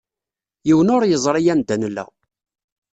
Yiwen ur yeẓri anda nella.